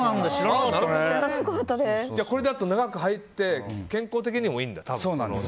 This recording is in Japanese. これだと長く入って健康的にもいいんだ。